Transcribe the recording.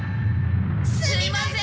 すみません！